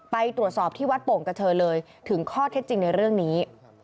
ไปตรวจสอบที่วัดโป่งกระเทยเลยถึงข้อเท็จจริงในเรื่องนี้